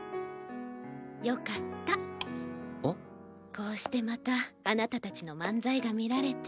こうしてまたあなたたちの漫才が見られて。